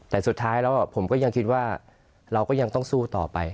แต่สุดท้ายแล้วผมก็ยังคิดว่าเราก็ยังต้องสู้ต่อไป